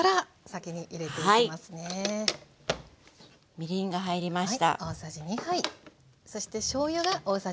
みりんが入りました。